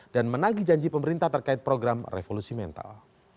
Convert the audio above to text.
dan menagi janji pemerintah terkait program revolusi mental